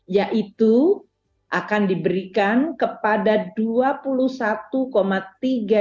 yaitu akan diberikan kepada dua puluh satu orang